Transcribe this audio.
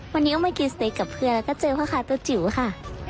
วันนี้ก็มากินสเต็กกับเพื่อนแล้วก็เจอพ่อค้าตัวจิ๋วค่ะ